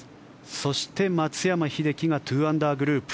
そして、松山英樹が２アンダーグループ。